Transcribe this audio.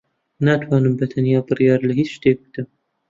ناتوانم بەتەنیا بڕیار لە ھیچ شتێک بدەم.